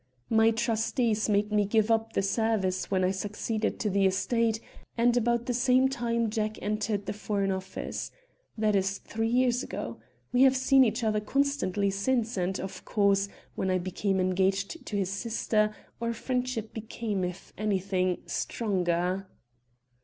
My trustees made me give up the Service when I succeeded to the estates, and about the same time Jack entered the Foreign Office. That is three years ago. We have seen each other constantly since, and, of course, when I became engaged to his sister our friendship became, if anything, stronger."